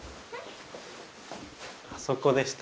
あそこでした。